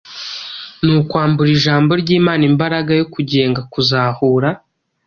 Ni ukwambura ijambo ry’Imana imbaraga yo kugenga, kuzahura,